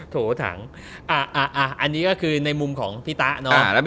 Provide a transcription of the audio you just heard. โถถังอันนี้ก็คือในมุมของพี่ตะเนาะ